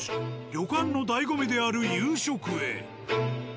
旅館のだいご味である夕食へ。